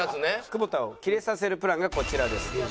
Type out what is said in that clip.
久保田をキレさせるプランがこちらです。